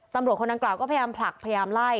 ตำรวจคนดังกล่าวก็พยายามผลักพยายามไล่